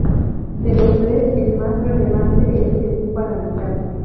De los tres el más relevante es que ocupa la mitad.